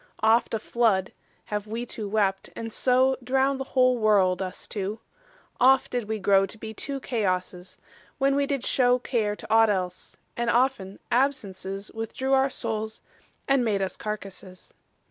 Oft a flood Have wee two wept, and so Drownd the whole world, us two; oft did we grow To be two Chaosses, when we did show Care to ought else; and often absences Withdrew our soules, and made us carcasses.